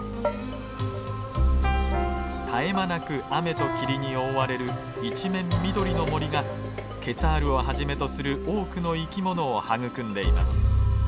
絶え間なく雨と霧に覆われる一面緑の森がケツァールをはじめとする多くの生き物を育んでいます。